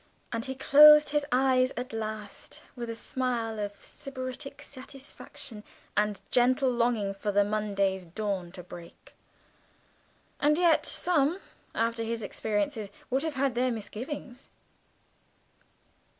and he closed his eyes at last with a smile of Sybaritic satisfaction and gentle longing for the Monday's dawn to break. And yet some, after his experiences, would have had their misgivings.